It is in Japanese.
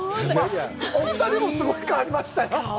お二人もすごい変わりましたよ。